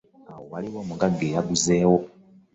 Awo waliwo omuggaga eyaguze wo.